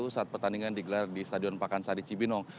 saat pertandingan digelar di stadion pakansari cibinong